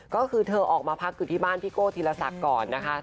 ก็คือเธอออกมาพักอยู่ที่บ้านพิโกะธิรษฎก่อนนะคะ